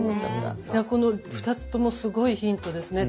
いやこの２つともすごいヒントですね。